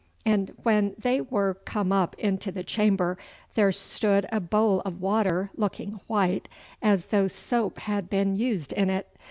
And when they were come up into the chamber there stood a bowl of water, looking white, as though soap had been used in it.